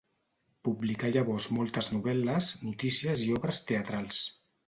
Publicà llavors moltes novel·les, notícies i obres teatrals.